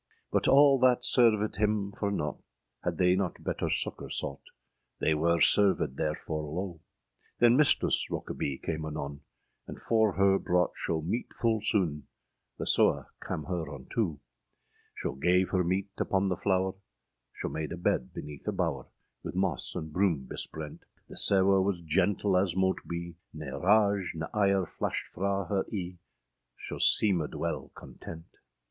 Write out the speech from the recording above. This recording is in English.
â But all that servèd him for nought,â Had they not better succour sought, They wer servèd therfore loe. Then Mistress Rokebye came anon, And for her brought scho meete ful soone, The sewe cam her untoe. Scho gav her meete upon the flower; [Scho made a bed beneath a bower, With moss and broom besprent; The sewe was gentle as mote be, Ne rage ne ire flashed fra her eâe, Scho seemèd wele content.